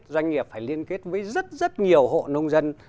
doanh nghiệp phải liên kết với rất rất nhiều hộ nông dân